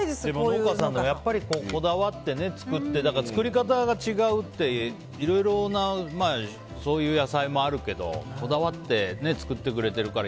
農家さんがこだわって作って作り方が違うっていろいろなそういう野菜もあるけどこだわって作ってくれてるから。